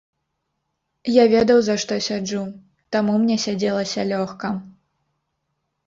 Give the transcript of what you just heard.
Я ведаў за што сяджу, таму мне сядзелася лёгка.